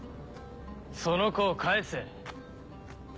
その子を返せ。